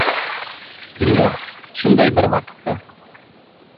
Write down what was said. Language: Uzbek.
Dunyo shunday bir vaqtda…